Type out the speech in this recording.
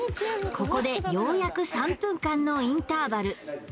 ここでようやく３分間のインターバル